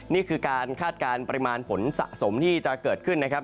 นี่คือการคาดการณ์ปริมาณฝนสะสมที่จะเกิดขึ้นนะครับ